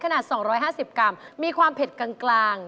ขนาด๒๕๐กรัมมีความเผ็ดกลาง